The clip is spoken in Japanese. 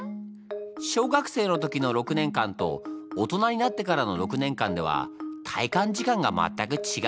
小学生の時の６年間と大人になってからの６年間では体感時間が全く違うだにゃー。